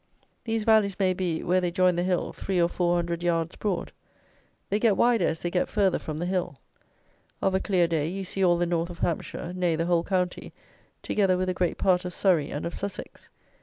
These valleys may be, where they join the hill, three or four hundred yards broad. They get wider as they get farther from the hill. Of a clear day you see all the north of Hampshire; nay, the whole county, together with a great part of Surrey and of Sussex.